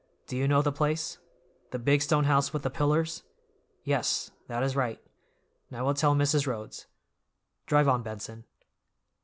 "Do you know the place? The big stone house with the pillars? Yes, that is right. And I will tell Mrs. Rhodes. Drive on, Benson."